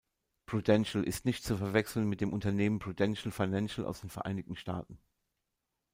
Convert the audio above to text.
Prudential ist nicht zu verwechseln mit dem Unternehmen Prudential Financial aus den Vereinigten Staaten.